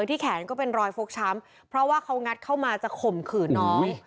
ที่แขนก็เป็นรอยฟกช้ำเพราะว่าเขางัดเข้ามาจะข่มขืนน้อง